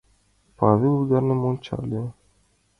— Павел ӱдырым ончале.